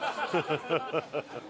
ハハハハ！